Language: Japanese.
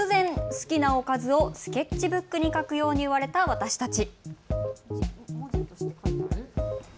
好きなおかずをスケッチブックに書くよう言われた私たち。